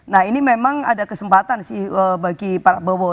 nah ini memang ada kesempatan sih bagi pak prabowo